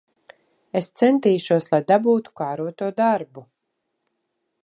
Es centīšos, lai dabūtu kāroto darbu.